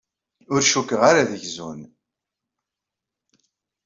Ur cikkeɣ ara ad gzun.